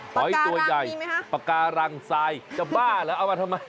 หอยตัวใหญ่ปากการังทรายจะบ้าเหรอเอามาทำไม